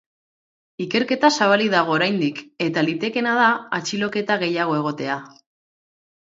Ikerketa zabalik dago oraindik, eta litekeena da atxiloketa gehiago egotea.